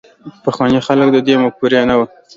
پخواني خلک د دې مفکورې نه وو.